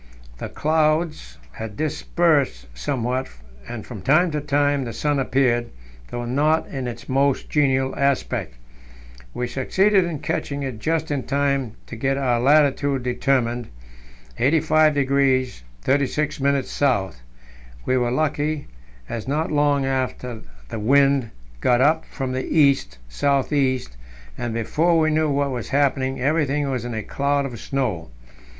The clouds had dispersed somewhat, and from time to time the sun appeared, though not in its most genial aspect. We succeeded in catching it just in time to get our latitude determined 85° 36' S. We were lucky, as not long after the wind got up from the east south east, and, before we knew what was happening, everything was in a cloud of snow.